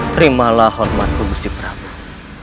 terimalah hormat pegusi perang